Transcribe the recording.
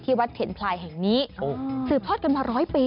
ที่วัดเข่นไพรอย่างนี้สืบทอดกันมาร้อยปี